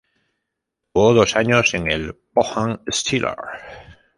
Actuó dos años en el Pohang Steelers.